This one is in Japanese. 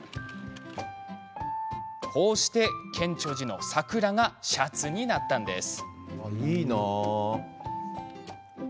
こうして、建長寺の桜がシャツになったんです。